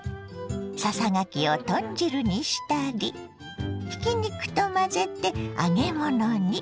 ささがきを豚汁にしたりひき肉と混ぜて揚げ物に。